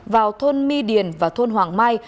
vào thôn my điền và thôn hoàng mai